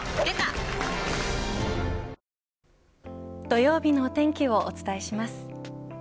土曜日のお天気をお伝えします。